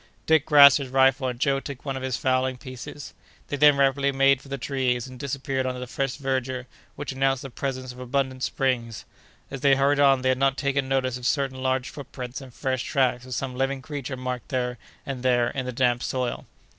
Dick grasped his rifle, and Joe took one of the fowling pieces. They then rapidly made for the trees, and disappeared under the fresh verdure, which announced the presence of abundant springs. As they hurried on, they had not taken notice of certain large footprints and fresh tracks of some living creature marked here and there in the damp soil.